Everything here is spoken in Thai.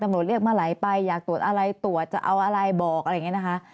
ตำรวจเรียกเมื่อไหร่ไปอยากตรวจอะไรตรวจจะเอาอะไรบอกอะไรอย่างนี้นะคะ